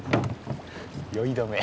酔い止め。